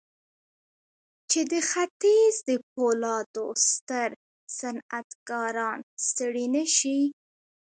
چې د ختيځ د پولادو ستر صنعتکاران ستړي نه شي.